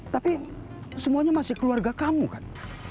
tapi semuanya masih keluarga kamu kan